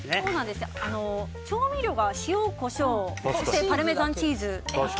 調味料が塩、コショウパルメザンチーズだけ。